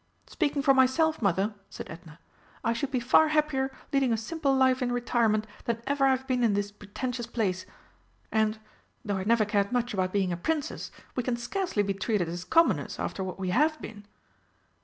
"Speaking for myself, Mother," said Edna, "I should be far happier leading a simple life in retirement than ever I've been in this pretentious place. And, though I never cared much about being a Princess, we can scarcely be treated as commoners after what we have been."